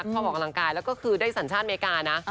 ควรปลอดภัณฑ์ออกกำลังกายแล้วก็คือได้สัญชาติอเมริการ้านนะ